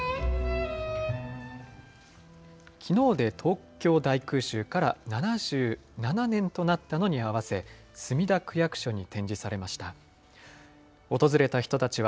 きのうで東京大空襲から７７年となったのに合わせ、墨田区役所に展示されました。